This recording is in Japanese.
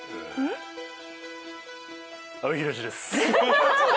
阿部寛です。